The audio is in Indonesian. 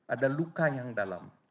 ada luka yang dalam